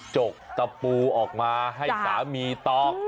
กกตะปูออกมาให้สามีตอก